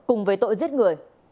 cùng với tội giết người